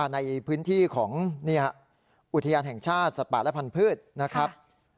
ในพื้นที่ของอุทยานแห่งชาติสัตว์ป่าและพันธุ์นะครับ